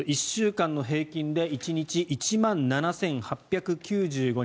１週間の平均で１日１万７８９５人。